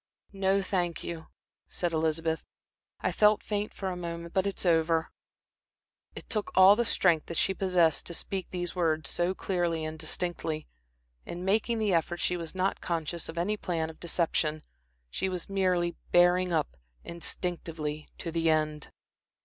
"No, thank you," said Elizabeth. "I felt faint for a moment, but it is over." It took all the strength that she possessed to speak these words so clearly and distinctly. In making the effort she was not conscious of any plan of deception. She was merely bearing up, instinctively, to the end.